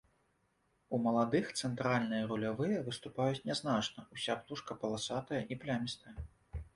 У маладых цэнтральныя рулявыя выступаюць нязначна, уся птушка паласатая і плямістая.